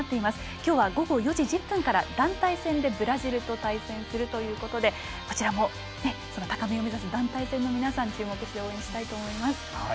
今日は午後４時１０分から団体戦でブラジルと対戦するということでこちら、高みを目指す団体戦の皆さんにも注目して応援したいと思います。